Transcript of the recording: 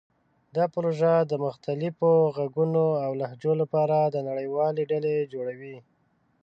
دا پروژه د مختلفو غږونو او لهجو لپاره د نړیوالې ډلې جوړوي.